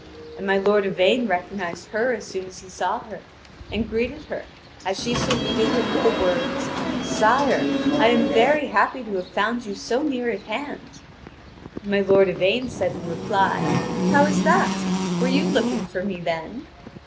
And my lord Yvain recognised her as soon as he saw her, and greeted her, as she saluted him with the words: "Sire, I am very happy to have found you so near at hand." And my lord Yvain said in reply: "How is that? Were you looking for me, then?"